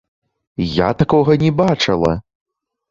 Я такога не бачыла!